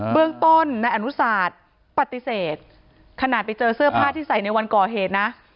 เรื่องต้นนายอนุสาธปฏิเสธขนาดไปเจอเสื้อผ้าที่ใส่ในวันก่อเหตุนะ